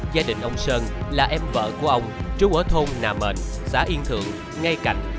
gia đình ông sơn là em vợ của ông trú ở thôn nà mền xã yên thượng ngay cạnh